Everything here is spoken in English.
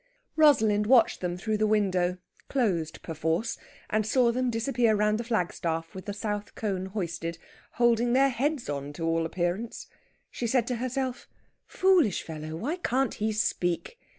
Rosalind watched them through the window, closed perforce, and saw them disappear round the flagstaff with the south cone hoisted, holding their heads on to all appearance. She said to herself: "Foolish fellow, why can't he speak?"